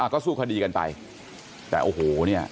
ก็สู้คดีกันไปแต่โอ้โหเนี่ย